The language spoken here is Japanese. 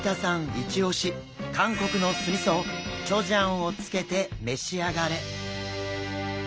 イチオシ韓国の酢みそチョジャンをつけて召し上がれ。